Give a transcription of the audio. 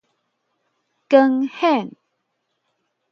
光顯